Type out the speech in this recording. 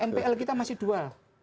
mpl kita masih dual